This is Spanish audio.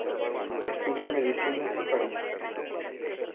Estudió medicina en París.